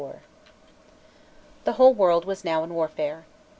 XXXIV THE WHOLE world was now in warfare.